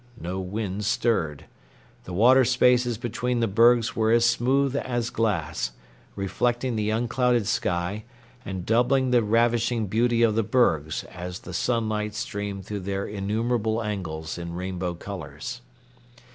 No wind stirred. The water spaces between the bergs were as smooth as glass, reflecting the unclouded sky, and doubling the ravishing beauty of the bergs as the sunlight streamed through their innumerable angles in rainbow colors.